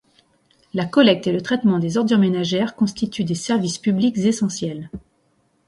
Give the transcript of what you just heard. La collecte et le traitement des ordures ménagères constituent des services publics essentiels.